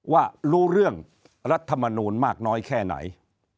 ว่ารู้เรื่องรัฐมนูลมากน้อยแค่ไหน